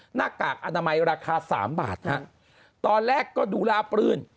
หน้ากากอนามัยราคาสามบาทฮะตอนแรกก็ดูลาบลื่น